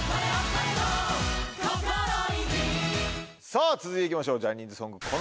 さぁ続いて行きましょうジャニーズソング。こ